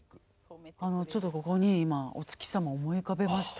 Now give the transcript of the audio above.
あのちょっとここに今お月様思い浮かべました。